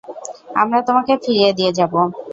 আমরা তোমাকে ফিরিয়ে দিয়ে যাবো।